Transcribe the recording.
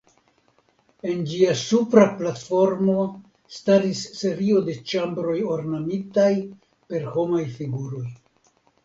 En ĝia supra platformo staris serio de ĉambroj ornamitaj per homaj figuroj.